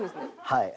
はい。